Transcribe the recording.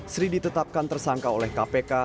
sri ditetapkan tersangka oleh kpk